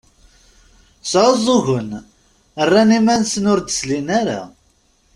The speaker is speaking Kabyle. Sεuẓẓgen, rran iman-nsen ur d-slin ara.